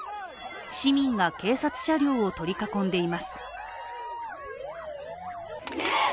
市民が警察車両を取り囲んでいます。